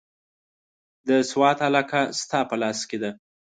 د سوات علاقه ستا په لاس کې ده.